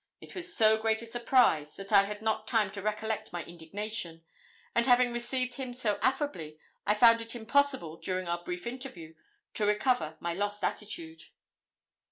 It was so great a surprise that I had not time to recollect my indignation, and, having received him very affably, I found it impossible, during our brief interview, to recover my lost altitude.